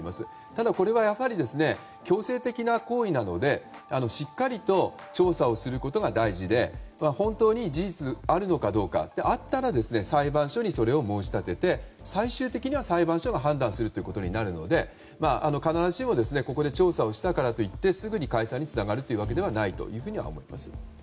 ただ、これはやはり強制的な行為なので、しっかりと調査をすることが大事で本当に事実としてあるのかどうかあったら、それを裁判所にそれを申し立てて最終的には裁判所が判断することになるので必ずしもここで調査したからといってすぐに解散につながるわけではないと思います。